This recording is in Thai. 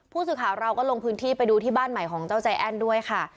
ผู้สื่อข่าวเราก็ลงพื้นที่ไปดูที่บ้านใหม่ของเจ้าใจแอ้นด้วยค่ะ